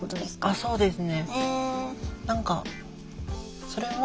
そうですね。